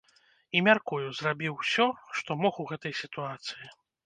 І, мяркую, зрабіў усё, што мог у гэтай сітуацыі.